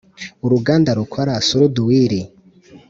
uruganda rukora suruduwiri